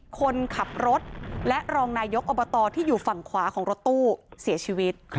คนขับรถและรองนายกอบตที่อยู่ฝั่งขวาของรถตู้เสียชีวิต